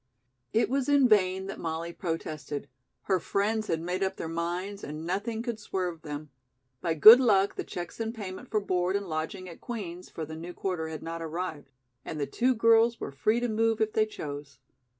It was in vain that Molly protested. Her friends had made up their minds and nothing could swerve them. By good luck, the checks in payment for board and lodging at Queen's for the new quarter had not arrived, and the two girls were free to move if they chose.